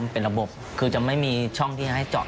เป็นระบบคือจะไม่มีช่องที่ให้จอด